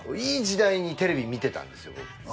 いい時代にテレビ見てたんですよ。